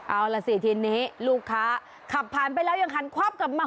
เอาล่ะสิทีนี้ลูกค้าขับผ่านไปแล้วยังหันควับกลับมา